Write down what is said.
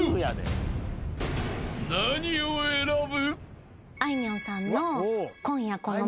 ［何を選ぶ？］